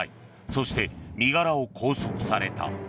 そして、身柄を拘束された。